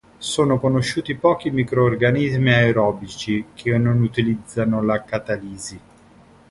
Sono conosciuti pochi microorganismi aerobici che non utilizzano la catalasi.